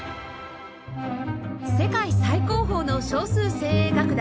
世界最高峰の少数精鋭楽団